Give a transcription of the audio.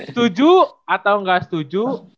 setuju atau gak setuju